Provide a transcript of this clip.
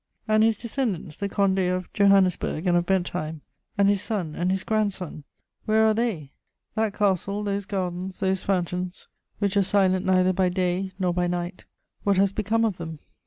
And his descendants, the Condé of Johannisberg and of Bentheim, and his son, and his grandson, where are they? That castle, those gardens, those fountains "which were silent neither by day nor by night:" what has become of them?